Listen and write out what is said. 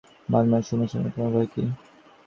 শৈল হাসিয়া কহিল, আর তোমার বাহন উমেশ আছে, তোমার ভয় কী?